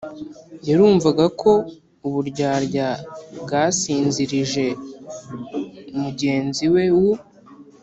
yarumvaga ko uburyarya bwasinzirije mugenzi we w'u